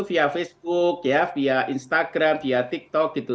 dan itu juga bisa terjadi via facebook via instagram via tiktok gitu